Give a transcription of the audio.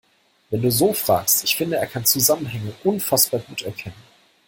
Wenn du so fragst, ich finde, er kann Zusammenhänge unfassbar gut erkennen.